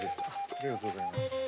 ありがとうございます。